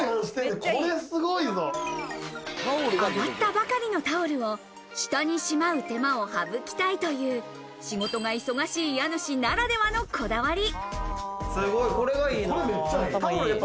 洗ったばかりのタオルを下にしまう手間を省きたいという仕事が忙しい家主ならではのこだわり。